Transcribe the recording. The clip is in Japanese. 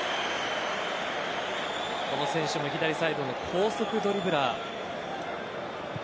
この選手も左サイドの高速ドリブラー。